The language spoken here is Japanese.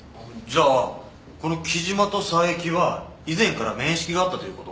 じゃあこの貴島と佐伯は以前から面識があったという事？